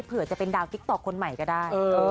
เผื่อจะเป็นดาวติ๊กต๊อกคนใหม่ก็ได้